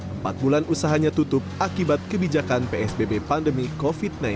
empat bulan usahanya tutup akibat kebijakan psbb pandemi covid sembilan belas